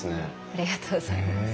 ありがとうございます。